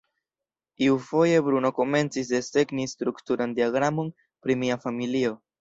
Iufoje Bruno komencis desegni strukturan diagramon pri mia familio.